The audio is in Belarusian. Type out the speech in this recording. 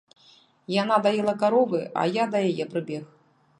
Яна даіла каровы, а я да яе прыбег.